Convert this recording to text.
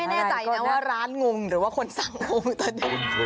ดีฉันไม่แน่ใจนะว่าร้านหงุ่งหรือว่าคนสั่งหงุ่งต่อเดียว